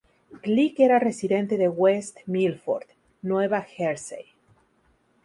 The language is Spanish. Glick era residente de West Milford, Nueva Jersey.